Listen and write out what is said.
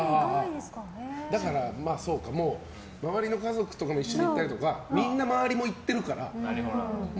だから、周りの家族とかも一緒に行ったりとかみんな周りも行ってるから。